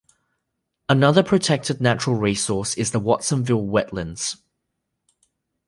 Another protected natural resource is the Watsonville wetlands.